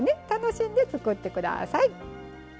楽しんで作って下さい。